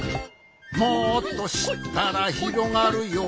「もっとしったらひろがるよ」